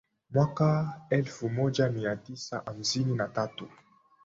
Mwaka wa elfu moja mia tisa hamsini na tatu